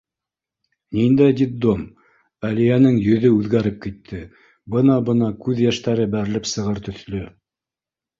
Ниндәй детдом? — Әлиәнең йөҙө үҙгәреп китте, бына-бына күҙ йәштәре бәрелеп сығыр төҫлө.